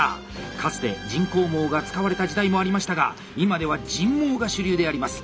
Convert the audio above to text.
かつて人工毛が使われた時代もありましたが今では人毛が主流であります。